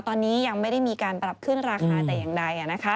ตอนนี้ยังไม่ได้มีการปรับขึ้นราคาแต่อย่างใด